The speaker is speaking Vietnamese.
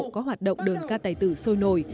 có hoạt động đơn ca tài tử sôi nổi